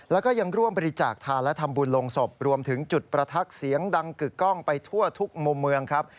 แล้วก็ยังร่วมบริจาคทานและทำบุญลงศพรวมถึงจุดประทักษ์เสียงดังกึกกล้องไปทั่วทุกมุมเมืองครับ